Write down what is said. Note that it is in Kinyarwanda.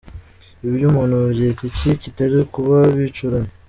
Ibyo umuntu yabyita iki, kitari ukuba bicuramye?!